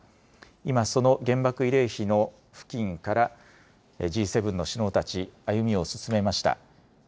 今、その原爆慰霊碑の付近からＧ７の首脳たち、歩みを進めました。